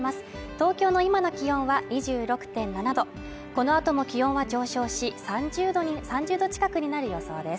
東京の今の気温は２６．７度このあとも気温は上昇し、３０度近くになる予想です。